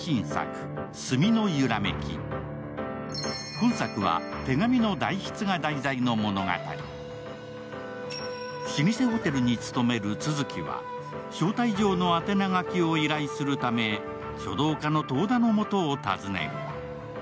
今作は、手紙の代筆が題材の物語老舗ホテルに勤める続は、招待状の宛名書きを依頼するため書道家の遠田のもとを訪ねる。